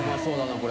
これ。